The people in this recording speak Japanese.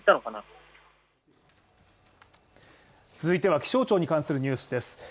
続いては気象庁に関するニュースです。